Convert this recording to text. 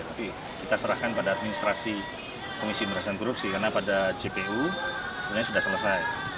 tapi kita serahkan pada administrasi komisi pemberasan korupsi karena pada jpu sebenarnya sudah selesai